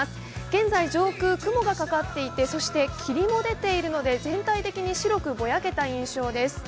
現在、上空雲がかかっていて、霧も出ているので、全体的に白くぼやけた印象です。